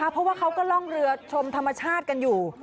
เพราะว่าเขาก็ล่องเรือชมธรรมชาติกันอยู่